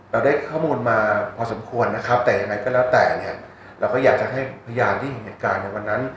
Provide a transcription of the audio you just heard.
เราได้ข้อมูลมาพอสมควรนะครับแต่ยังไงก็แล้วแต่เนี่ยเราก็อยากจะให้พยานที่เห็นเหตุการณ์ในวันนั้น